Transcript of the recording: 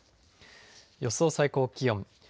予想最高気温。